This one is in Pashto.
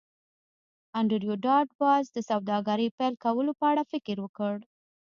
انډریو ډاټ باس د سوداګرۍ پیل کولو په اړه فکر وکړ